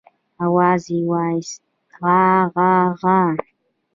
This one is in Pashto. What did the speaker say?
آواز يې واېست عاعاعا.